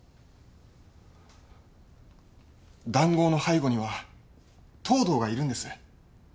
談合の背後には藤堂がいるんです。